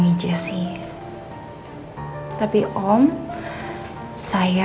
kamu bisa berhubung dengan aku